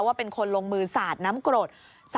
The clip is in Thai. ว่าเป็นคนลงมือสาดน้ำกรด